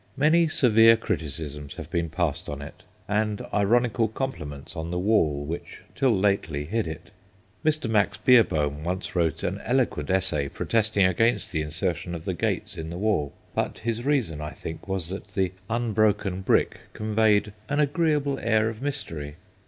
Many severe criticisms have been passed on it, and ironical compliments on the wall which till lately hid it. Mr. Max Beerbohm once wrote an eloquent essay protesting against the insertion of the gates GEORGIANA 29 in the wall, but his reason, I think, was that the unbroken brick conveyed an agreeable air of mystery.